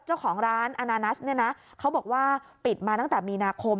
เจ้าของร้านอาณานัสเนี่ยนะเขาบอกว่าปิดมาตั้งแต่มีนาคม